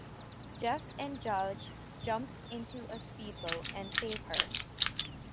Jeff and Judge jump into a speedboat and save her.